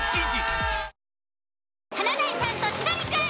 「華大さんと千鳥くん」。